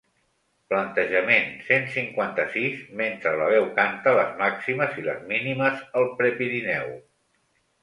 Plantejament cent cinquanta-sis mentre la veu canta les màximes i les mínimes al Prepirineu.